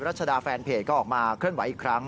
รัชดาแฟนเพจก็ออกมาเคลื่อนไหวอีกครั้ง